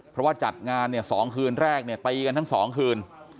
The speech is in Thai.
เพราะว่าจัดงานเนี่ย๒คืนแรกเนี่ยตีกันทั้ง๒คืน